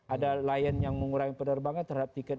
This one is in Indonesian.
ada lion yang mengurangi penerbangan terhadap tiket